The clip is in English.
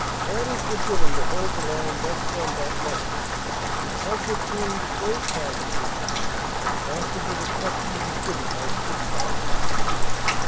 Orders were given to hold the line thus won that night, the object being to save casualties and possible destruction of the city by street fighting.